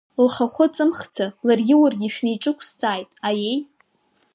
Лхахәы ҵымхӡа, ларгьы уаргьы шәнеиҿықәсҵааит, аиеи.